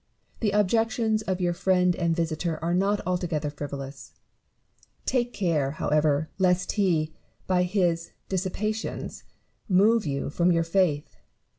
The objections of your friend and visitor are not altogether frivolous ; take care, however, lest he, by his disceptations, move you from your faith.